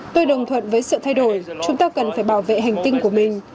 tôi đồng thuận với sự thay đổi chúng ta cần phải bảo vệ hành tinh của mình